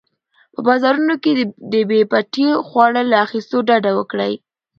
په بازارونو کې د بې پټي خواړو له اخیستلو ډډه وکړئ.